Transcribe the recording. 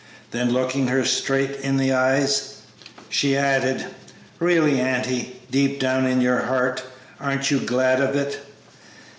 Then, looking her straight in the eyes, she added: "Really, auntie, deep down in your heart, aren't you glad of it?"